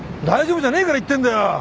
大丈夫じゃねえから言ってんだよ。